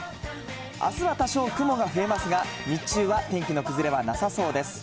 あすは多少雲が増えますが、日中は天気の崩れはなさそうです。